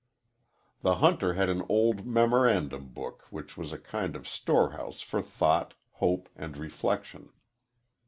The hunter had an old memorandum book which was a kind of storehouse for thought, hope, and reflection.